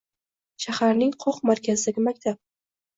Shaharning qoq markazidagi maktab.